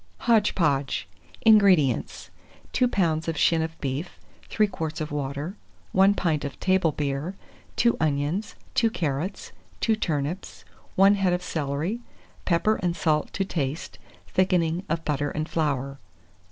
HODGE PODGE. 191. INGREDIENTS. 2 lbs. of shin of beef, 3 quarts of water, 1 pint of table beer, 2 onions, 2 carrots, 2 turnips, 1 head of celery; pepper and salt to taste; thickening of butter and flour.